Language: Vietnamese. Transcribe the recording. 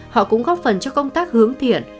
họ cũng góp phần cho công tác hướng thiện